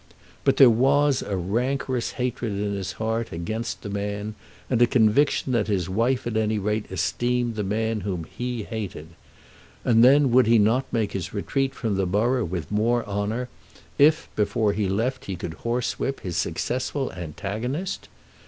But there was a rancorous hatred in his heart against the man, and a conviction that his wife at any rate esteemed the man whom he hated. And then would he not make his retreat from the borough with more honour if before he left he could horsewhip his successful antagonist?